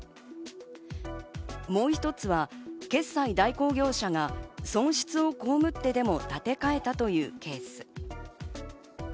もう一つは決済代行業者が損失を被ってでも立て替えたというケース。